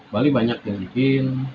bali banyak yang bikin